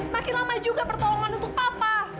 semakin lama juga pertolongan untuk papa